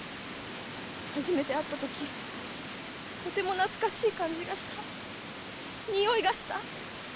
初めて会ったときとても懐かしい感じがした匂いがした。